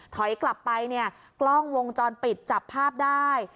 ถอยกลับไปเนี่ยกล้องวงจรปิดจับภาพได้